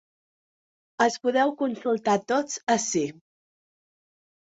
Els podeu consultar tots ací.